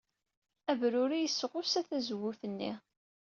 Abruri yesɣusa tazewwut-nni.